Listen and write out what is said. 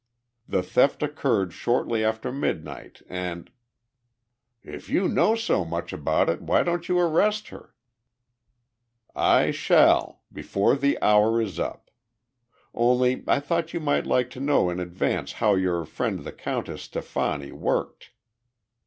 The theft occurred shortly after midnight and " "If you know so much about it, why don't you arrest her?" "I shall before the hour is up. Only I thought you might like to know in advance how your friend the Countess Stefani worked.